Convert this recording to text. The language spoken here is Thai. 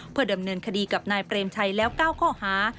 เพื่อดำเนินคดีกับนายเปรมชัยแล้ว๙ข้อหา